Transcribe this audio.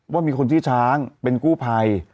ว่ามีคนชื่อช้างเป็นกู้ภัย